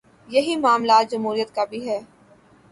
یہی معاملہ جمہوریت کا بھی ہے۔